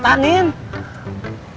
kita kecopetan kang